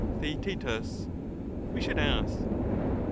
Theaetetus, We should ask.